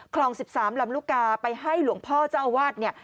คลอง๑๓ลำลูกกาไปให้หลวงพ่อเจ้าอาวาสเนี่ย